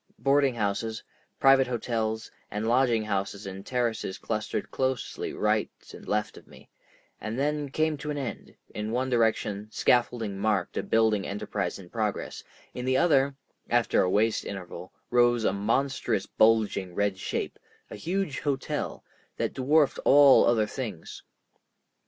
Boarding houses, private hotels, and lodging houses in terraces clustered closely right and left of me, and then came to an end; in one direction scaffolding marked a building enterprise in progress, in the other, after a waste interval, rose a monstrous bulging red shape, a huge hotel, that dwarfed all other things.